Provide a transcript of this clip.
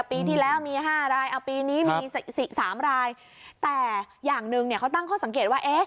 ปีที่แล้วมี๕รายปีนี้มี๓รายแต่อย่างหนึ่งเขาตั้งเขาสังเกตว่า